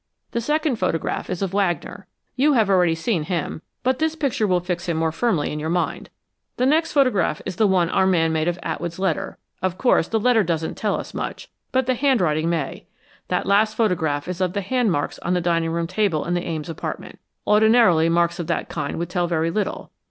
The second photograph is of Wagner. You have already seen him, but this picture will fix him more firmly in your mind. The next photograph is the one our man made of Atwood's letter. Of course, the letter doesn't tell us much, but the handwriting may. That last photograph is of the hand marks on the dining room table in the Ames apartment. Ordinarily, marks of that kind would tell very little.